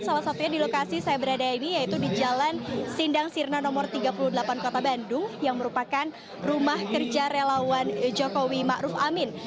salah satunya di lokasi saya berada ini yaitu di jalan sindang sirna nomor tiga puluh delapan kota bandung yang merupakan rumah kerja relawan jokowi ⁇ maruf ⁇ amin